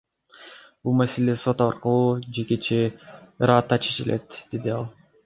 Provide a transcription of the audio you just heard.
Бул маселе сот аркылуу жекече ыраатта чечилет, — деди ал.